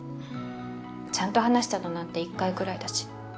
ちゃんと話したのなんて１回くらいだし。